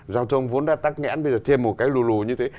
giao thông vốn đã tắc nghẽn bây giờ thêm một cái lù lù như thế